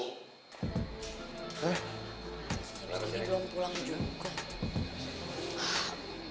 ini belum pulang juga